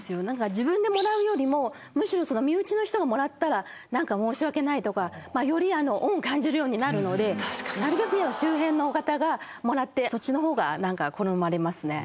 自分でもらうよりもむしろ身内の人がもらったら何か申し訳ないとかより恩を感じるようになるのでなるべく周辺の方がもらってそっちのほうが好まれますね。